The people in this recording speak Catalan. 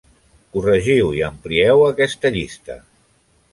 Corregiu i amplieu aquesta llista.